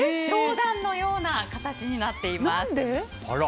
冗談のような形になっています。